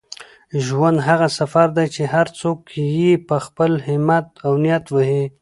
ژوند هغه سفر دی چي هر څوک یې په خپل همت او نیت وهي.